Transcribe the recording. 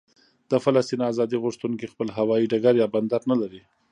د فلسطین ازادي غوښتونکي خپل هوايي ډګر یا بندر نه لري.